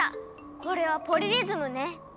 これはポリリズムね。